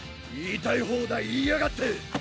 言いたい放題言いやがって！